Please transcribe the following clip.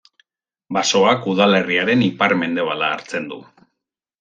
Basoak udalerriaren ipar-mendebala hartzen du.